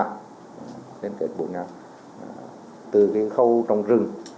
từ khâu trong rừng